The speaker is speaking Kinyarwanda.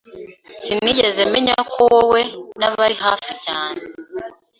Sinigeze menya ko wowe na bari hafi cyane.